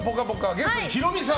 ゲストにヒロミさん。